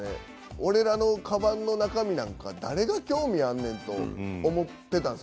俺らのかばんの中身なんか誰か興味あんねんと思っていたんです。